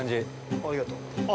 ◆ありがとう。